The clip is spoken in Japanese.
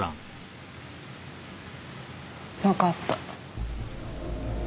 わかった。